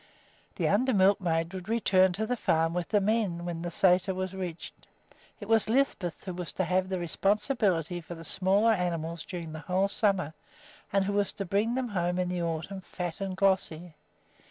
The under milkmaid would return to the farm with the men when the sæter was reached. It was Lisbeth who was to have the responsibility for the smaller animals during the whole summer, and who was to bring them home in the autumn fat and glossy.